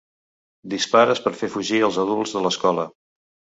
Dispares per fer fugir els adults de l'escola.